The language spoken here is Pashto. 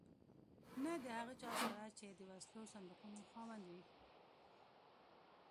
نه د هغه چا سره چې د وسلو صندوقونو خاوند وي.